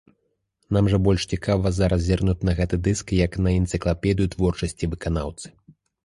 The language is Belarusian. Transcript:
Нам жа больш цікава зараз зірнуць на гэты дыск як на энцыклапедыю творчасці выканаўцы.